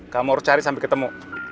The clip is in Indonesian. kamu harus cari sampai ketemu